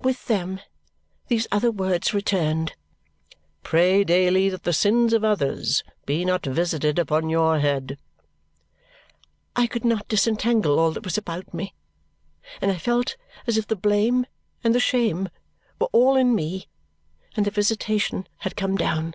With them, those other words returned, "Pray daily that the sins of others be not visited upon your head." I could not disentangle all that was about me, and I felt as if the blame and the shame were all in me, and the visitation had come down.